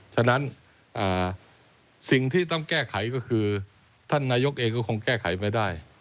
ฉะนั้นสิ่งที่ต้องแก้ไขก็คือท่านนายกเองก็คงแก้ไขไม่ได้